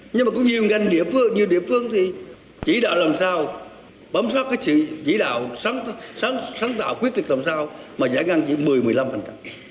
nhưng mà có nhiều ngành địa phương nhiều địa phương thì chỉ đạo làm sao bấm sát cái chỉ đạo sáng tạo quyết định làm sao mà giải ngân chỉ một mươi một mươi năm phần trăm